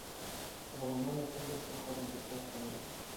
افغانانو تل د خپلې خاورې دفاع کړې ده.